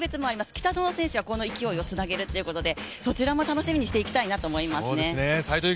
北園選手はこの勢いをつなげるということで、そちらも楽しみにしていきたいなと思いますね。